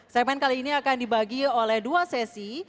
segmen kali ini akan dibagi oleh dua sesi